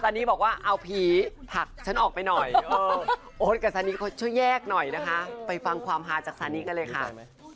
ตอนนี้บอกว่าเอาผีผลักฉันออกไปหน่อยโอ๊ตกับซานิเขาช่วยแยกหน่อยนะคะไปฟังความฮาจากซานิกันเลยค่ะ